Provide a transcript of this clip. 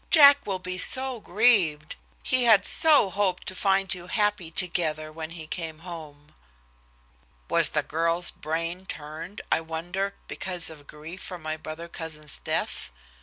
"Jack will be so grieved. He had so hoped to find you happy together when he came home." Was the girl's brain turned, I wondered, because of grief for my brother cousin's death?